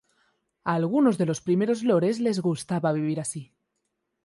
A algunos de los primeros lores les gustaba vivir allí.